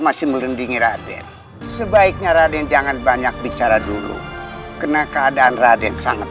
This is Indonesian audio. masih melindungi raden sebaiknya raden jangan banyak bicara dulu karena keadaan raden sangat